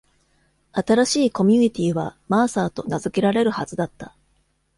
新しいコミュニティーはマーサーと名付けられるはずだった。